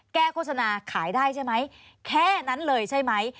โฆษณาขายได้ใช่ไหมแค่นั้นเลยใช่ไหม